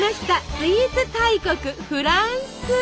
スイーツ大国フランス。